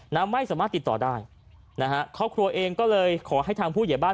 นะไม่สามารถติดต่อได้นะฮะครอบครัวเองก็เลยขอให้ทางผู้เหยียบบ้าน